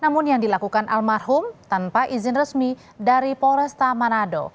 namun yang dilakukan almarhum tanpa izin resmi dari polresta manado